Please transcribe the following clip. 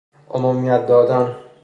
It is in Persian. عمومیت دادن